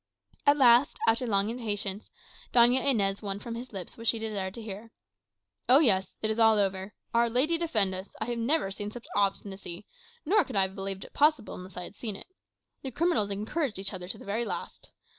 At last, after long patience, Doña Inez won from his lips what she desired to hear. "Oh yes; all is over. Our Lady defend us! I have never seen such obstinacy; nor could I have believed it possible unless I had seen it. The criminals encouraged each other to the very last.